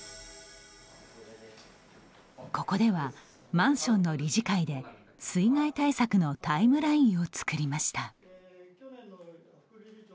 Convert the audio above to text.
ここでは、マンションの理事会で水害対策のタイムラインを作りました。